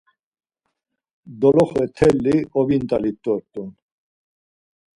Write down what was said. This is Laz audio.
Doloxe mteli obint̆alit dort̆un.